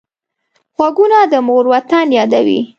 غوږونه د مور وطن یادوي